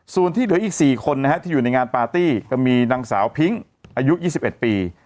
ส่วนที่เหลืออีก๔คนนะฮะที่อยู่ในงานปาร์ตี้ก็มีนางสาวพิ้งอายุ๒๑ปี